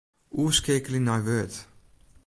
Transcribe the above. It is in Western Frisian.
Oerskeakelje nei Word.